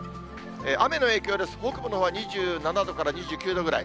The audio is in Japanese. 雨の影響です、北部のほうは２７度から２９度ぐらい。